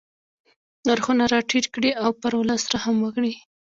نرخونه را ټیټ کړي او پر ولس رحم وکړي.